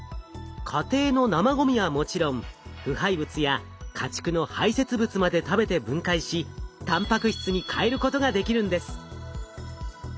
家庭の生ごみはもちろん腐敗物や家畜の排せつ物まで食べて分解したんぱく質に変えることができるんです。